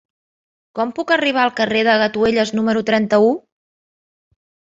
Com puc arribar al carrer de Gatuelles número trenta-u?